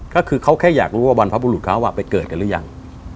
ก็คือเขาแค่อยากรู้ว่าบรรพบุรุษเขาไปเกิดกันหรือยัง